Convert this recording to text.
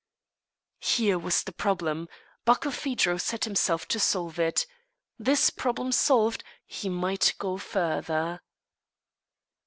Here was the problem. Barkilphedro set himself to solve it. This problem solved, he might go further.